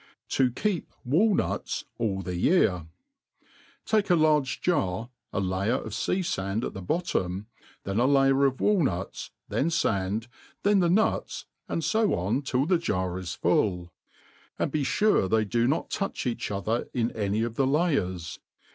To iap Walnuts all thi Tgar. TAKE a large jar^ a layer of fea iand at the bottom* then a layer of walnuts, then fand, then the nuts^ and fo on till the Jar is full ; and be fure they do not touch each other in any of the1ay«rs.